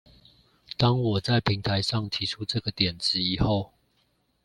當我在平台上提出這個點子以後